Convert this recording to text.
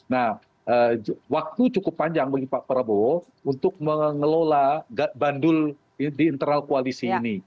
nah waktu cukup panjang bagi pak prabowo untuk mengelola bandul di internal koalisi ini